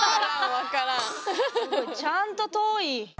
ちゃんと遠い！